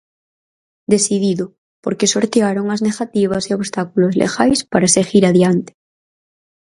Decidido, porque sortearon as negativas e obstáculos legais para seguir adiante.